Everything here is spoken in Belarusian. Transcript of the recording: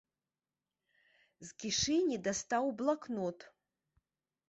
З кішэні дастаў блакнот.